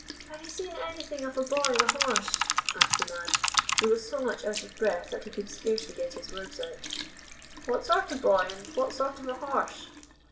"Have you seen anything of a boy on a horse?" asked the man, who was so much out of breath that he could scarcely get his words out. "What sort of a boy, and what sort of a horse?"